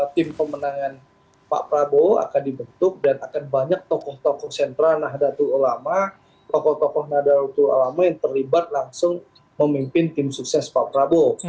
tim pemenangan pak prabowo akan dibentuk dan akan banyak tokoh tokoh sentra nahdlatul ulama tokoh tokoh nahdlatul ulama yang terlibat langsung memimpin tim sukses pak prabowo